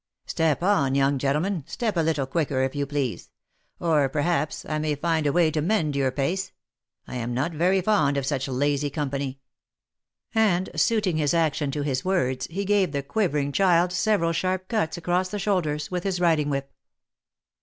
" Step on, young gentleman ; step a little quicker, if you please ; or, perhaps, \ may find a way to mend your pace : I am not very fond of such lazy company." And, suiting his action to his words, he gave the quivering child several sharp cuts across the shoulders with his riding whip.